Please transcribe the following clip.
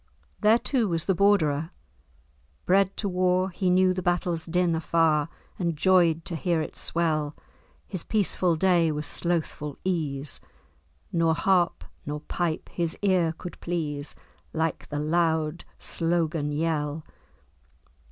There, too, was the Borderer:— "bred to war, He knew the battle's din afar, And joy'd to hear it swell. His peaceful day was slothful ease, Nor harp nor pipe his ear could please Like the loud slogan yell."